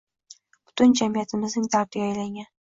Butun jamiyatimizning dardiga aylangan